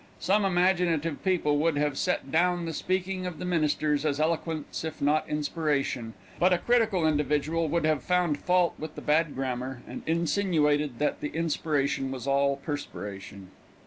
Some imaginative people would have set down the speaking of the ministers as eloquence if not inspiration, but a critical individual would have found fault with the bad grammar, and insinuated that the inspiration was all perspiration.